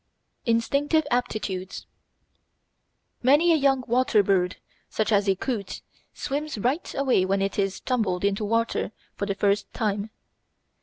Instinctive Aptitudes Many a young water bird, such as a coot, swims right away when it is tumbled into water for the first time.